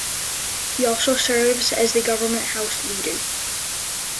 He also serves as the Government House Leader.